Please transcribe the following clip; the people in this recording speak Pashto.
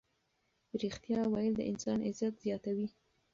ریښتیا ویل د انسان عزت زیاتوي.